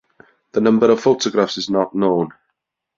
The number of photographs is not known.